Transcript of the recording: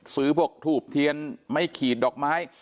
พวกถูบเทียนไม่ขีดดอกไม้